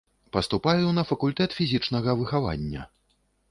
Паступаю на факультэт фізічнага выхавання.